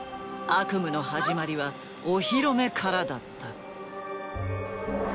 悪夢の始まりはお披露目からだった。